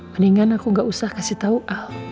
mendingan aku gak usah kasih tau ah